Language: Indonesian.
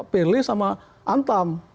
pele sama antam